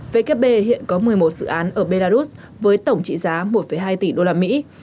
vkp hiện có một mươi một dự án ở belarus với tổng trị giá một hai tỷ đô la mỹ